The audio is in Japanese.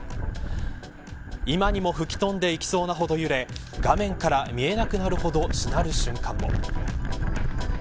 今にも吹き飛んでいきそうなほど揺れ画面から見えなくなるほどしなる瞬間も。